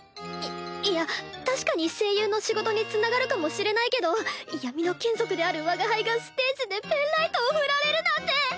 いいや確かに声優の仕事につながるかもしれないけど闇の眷属である我が輩がステージでペンライトを振られるなんて。